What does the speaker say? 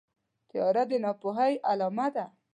تیاره د ناپوهۍ علامه ده.